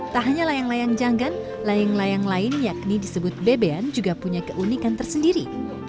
tak hanya layang layang janggan layang layang lain yakni disebut bebean juga punya keunikan tersendiri